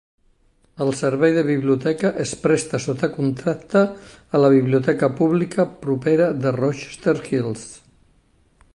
El servei de biblioteca es presta sota contracte a la biblioteca pública propera de Rochester Hills.